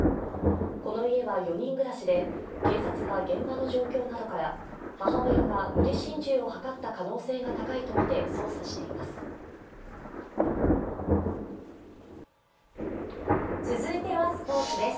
この家は４人暮らしで警察は現場の状況などから母親が無理心中を図った可能性が高いとみて捜査しています。